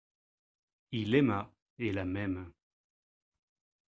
Il aima, et la même.